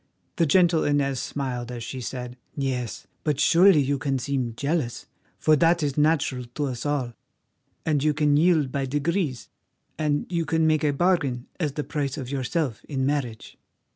The gentle Inez smiled as she said: "Yes, but surely you can seem jealous, for that is natural to us all, and you can yield by degrees, and you can make a bargain as the price of yourself in marriage."